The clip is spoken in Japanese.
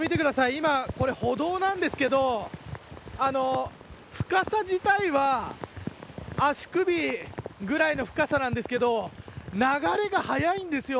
今、歩道なんですけど深さ自体は足首ぐらいの深さなんですが流れが速いんですよ